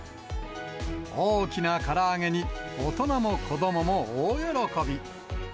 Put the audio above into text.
大きなから揚げに大人も子どもも大喜び。